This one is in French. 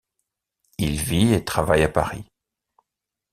Il vit et travaille à Paris.